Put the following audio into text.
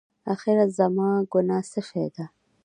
اخېر زما ګناه څه شی ده؟